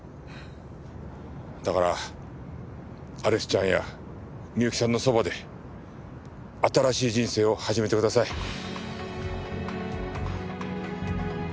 だからアリスちゃんや美由紀さんのそばで新しい人生を始めてください。